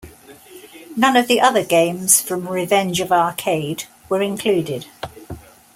None of the other games from "Revenge of Arcade" were included.